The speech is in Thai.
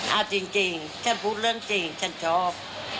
เอาจริงฉันพูดเรื่องจริงฉันชอบ